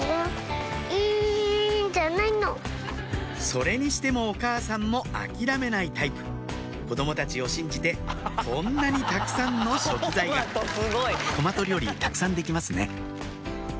それにしてもお母さんも諦めないタイプ子供たちを信じてこんなにたくさんの食材がトマト料理たくさんできますね